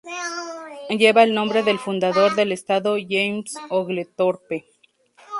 Lleva el nombre del fundador del estado, James Oglethorpe.